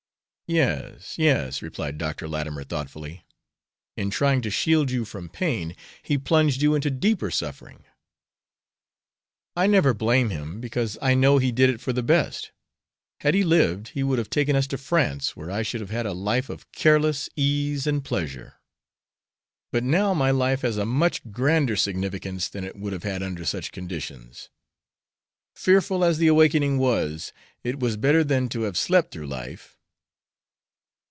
"Yes, yes," replied Dr. Latimer, thoughtfully, "in trying to shield you from pain he plunged you into deeper suffering." "I never blame him, because I know he did it for the best. Had he lived he would have taken us to France, where I should have had a life of careless ease and pleasure. But now my life has a much grander significance than it would have had under such conditions. Fearful as the awakening was, it was better than to have slept through life."